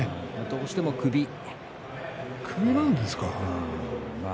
どうしても首なんですかね。